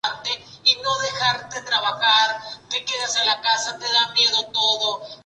Como resultado de los comicios fue elegido Secretario General Adjunto del sindicato.